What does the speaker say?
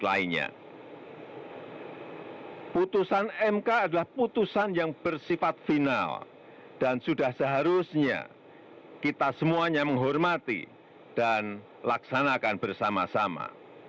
lainnya putusan mk adalah putusan yang bersifat final dan sudah seharusnya kita semuanya menghormati dan laksanakan bersama sama